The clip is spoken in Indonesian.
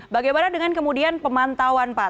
bagaimana dengan kemudian pemantauan pak